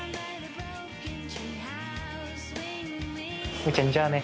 むぅちゃんじゃあね。